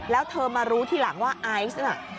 แล้วเธอมารู้ทีหลังว่าไอซ์น่ะ